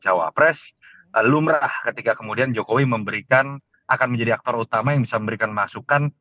cawapres lumrah ketika kemudian jokowi memberikan akan menjadi aktor utama yang bisa memberikan masukan